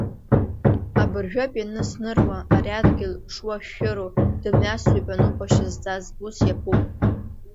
Абыржәоуп ианысныруа, ари адгьыл шуашәшәыроу, дымҩасҩуп Аныҟәашьа зҵаз, ус иаԥуп.